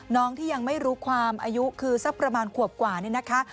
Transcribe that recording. น้องที่ยังไม่รู้ความอายุคือสักประมาณขวบกว่านี่นะคะ